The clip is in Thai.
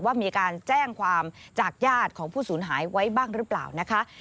ว่ามีการแจ้งความจากญาติของผู้สูญหายไว้บ้างหรือเปล่านะคะ